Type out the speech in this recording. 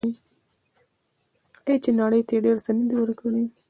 آیا چې نړۍ ته یې ډیر څه نه دي ورکړي؟